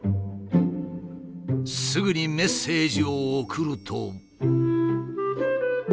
すぐにメッセージを送ると。